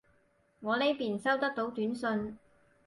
我呢邊收得到短信